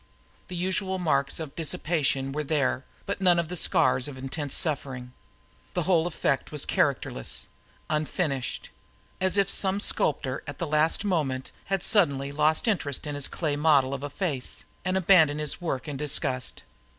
The usual marks of dissipation were there but none of the scars of intense suffering. The whole effect was characterless, unfinished; as if some sculptor at the last moment had suddenly lost interest in his clay model of a face and abandoned his work in disgust.